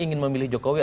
ingin memilih jokowi